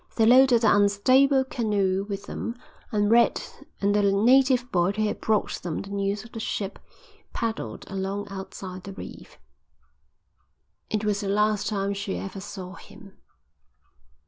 They loaded the unstable canoe with them, and Red and the native boy who had brought them the news of the ship paddled along outside the reef." "It was the last time she ever saw him."